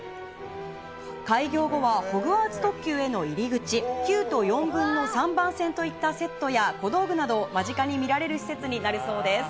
開業後はホグワーツ特急への入り口、９と４分の３番線といったセットや小道具などを間近に見られる施設になるそうです。